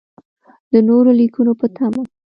د نورو لیکنو په تمه.